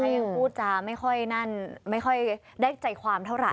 ยังพูดจะไม่ค่อยได้ใจความเท่าไหร่